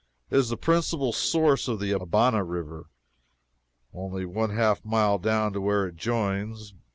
It is the principal source of the Abana river only one half mile down to where it joins.